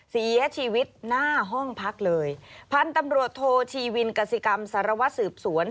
เสียชีวิตหน้าห้องพักเลยพันธุ์ตำรวจโทชีวินกสิกรรมสารวัตรสืบสวน